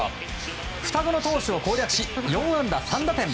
双子の投手を攻略し４安打３打点。